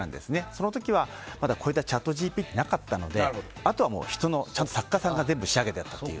その時はまだこういったＣｈａｔＧＰＴってなかったのであとは人の、作家さんが全部仕上げてやったという。